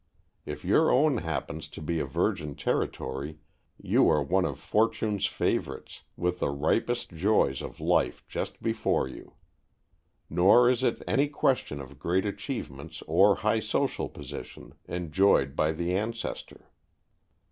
If your own happens to be virgin territory you are one of fortune's favorites, with the ripest joys of life just before you. Nor is it any question of great achievements or high social position enjoyed by the ancestor.